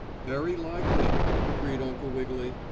"Very likely," agreed Uncle Wiggily.